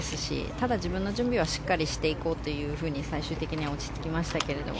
ただ、自分の準備はしっかりしていこうというふうに最終的には落ち着きましたけど。